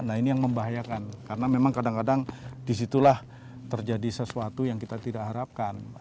nah ini yang membahayakan karena memang kadang kadang disitulah terjadi sesuatu yang kita tidak harapkan